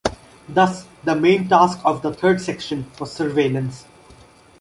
Thus, the main task of the Third Section was surveillance.